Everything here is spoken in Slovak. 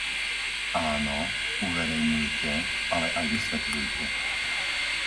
Áno, uverejňujte, ale aj vysvetľujte.